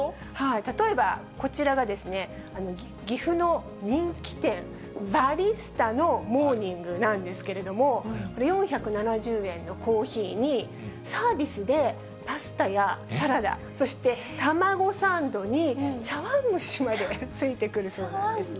例えば、こちらがですね、岐阜の人気店、ヴァリスタのモーニングなんですけれども、これ、４７０円のコーヒーに、サービスでパスタやサラダ、そして卵サンドに茶わん蒸しまでついてくるそうなんですね。